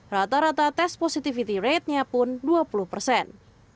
rata rata tes positivity ratenya pun dua puluh persen